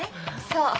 そう。